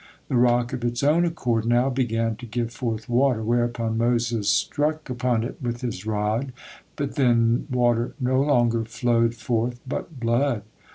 The rock of its own accord now began to give forth water, whereupon Moses struck upon it with his rod, but then water no longer flowed forth, but blood.